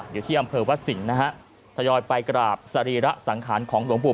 อยู่ที่อำเภอวัดสิงห์นะฮะทยอยไปกราบสรีระสังขารของหลวงปู่